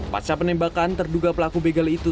pasca penembakan terduga pelaku begal itu